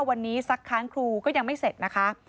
วันนี้สักค้านครูก็ยังไม่เสร็จนะคะ